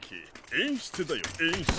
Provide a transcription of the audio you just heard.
演出だよ演出。